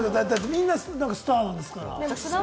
みんなスターなんですから。